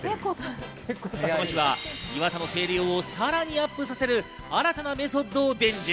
この日は岩田の声量をさらにアップさせる新たなメソッドを伝授。